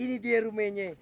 ini dia rumahnya